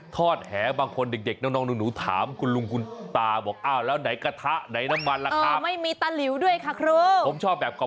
ทอดแหบางคนเด็กน้องหนูถามคุณลุงคุณตาบอก